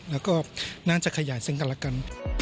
แล้วก็น่าจะขยายซึ่งกันแล้วกัน